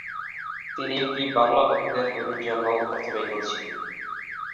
তিনি একটি বাংলা অভিধান তৈরির জন্যও অর্থ ব্যয় করছিলেন।